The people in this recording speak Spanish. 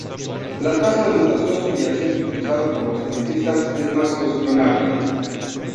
La tasa de mutación subyacente utilizada por los genetistas es más cuestionable.